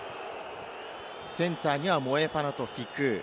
センターにはモエファナとフィクー。